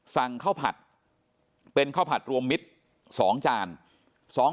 สั่งข้าวผัดเป็นข้าวผัดรวมมิตร๒จาน